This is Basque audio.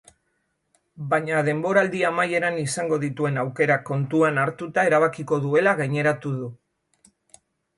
Baina denboraldi amaieran izango dituen aukerak kontuan hartuta erabakiko duela gaineratu du.